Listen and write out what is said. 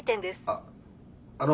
あっあの